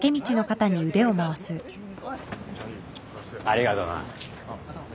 ありがとな。